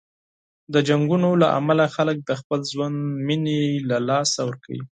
د جنګونو له امله خلک د خپل ژوند مینې له لاسه ورکوي.